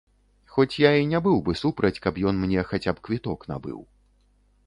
Хоць я і не быў бы супраць, каб ён мне хаця б квіток набыў.